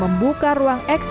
pertanyaan dari penulis